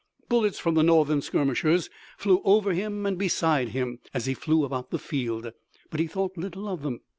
Bullets from the Northern skirmishers flew over him and beside him, as he flew about the field, but he thought little of them.